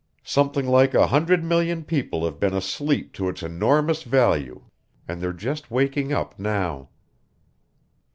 Something like a hundred million people have been asleep to its enormous value, and they're just waking up now.